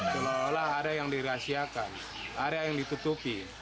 seolah olah ada yang dirahasiakan ada yang ditutupi